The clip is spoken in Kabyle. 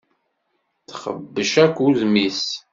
Texbec akk udem-is.